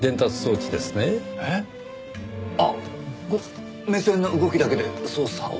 あっ目線の動きだけで操作を？